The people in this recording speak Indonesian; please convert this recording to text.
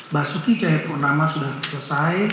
basuki cahaya purnama sudah selesai